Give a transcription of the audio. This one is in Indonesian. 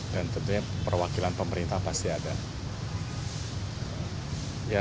dan tentunya perwakilan pemerintah pasti ada